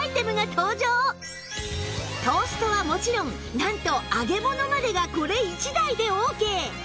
今日はトーストはもちろんなんと揚げ物までがこれ１台でオーケー